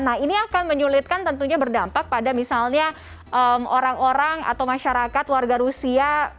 nah ini akan menyulitkan tentunya berdampak pada misalnya orang orang atau masyarakat warga rusia